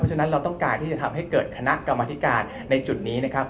ฉะนั้นเราต้องการที่จะทำให้เกิดคณะกรรมธิการในจุดนี้นะครับ